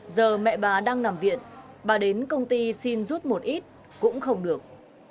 giờ mẹ bà đang nằm viện bà đến công ty xin rút một ít cũng không được